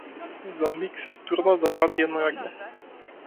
За миг се втурна да врати едно јагне.